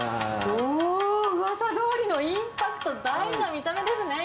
おおー、うわさどおりのインパクト大な見た目ですね。